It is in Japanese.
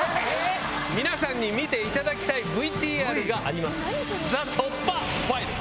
皆さんに見ていただきたいＶＴＲがあります。